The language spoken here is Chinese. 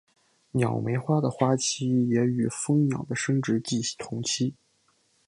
鸟媒花的花期也与蜂鸟的生殖季同期。